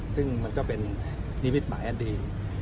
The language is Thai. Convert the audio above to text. ซึ่งมันก็เป็นนิมิตหมายอันดี